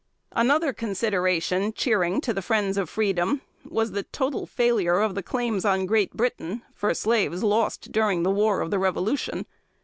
Another consideration, cheering to the friends of Freedom, was the total failure of the claims on Great Britain, for slaves lost during the War of the Revolution.